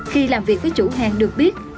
khi làm việc với chủ hàng được biết